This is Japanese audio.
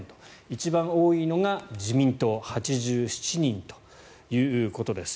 一番多いのが自民党８７人ということです。